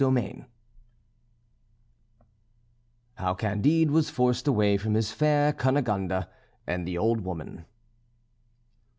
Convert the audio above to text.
XIII HOW CANDIDE WAS FORCED AWAY FROM HIS FAIR CUNEGONDE AND THE OLD WOMAN.